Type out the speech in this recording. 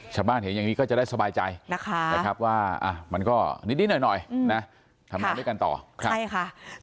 จับบ้านอย่างนี้ก็จะได้สบายใจนะคะครับว่ามันก็นิดนิดหน่อยนะทำด้วยกันต่อใช่ค่ะ